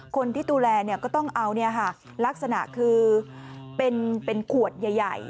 คนที่ดูแลก็ต้องเอาลักษณะคือเป็นขวดใหญ่